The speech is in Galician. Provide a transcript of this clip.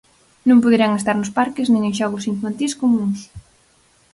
Non poderán estar nos parques nin en xogos infantís comúns.